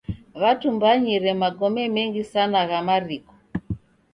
W'atumbanyire magome mengi sana gha mariko.